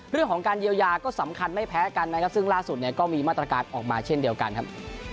เรื่องของการเยียวยาก็สำคัญไม่แพ้กันนะครับซึ่งล่าสุดเนี่ยก็มีมาตรการออกมาเช่นเดียวกันครับ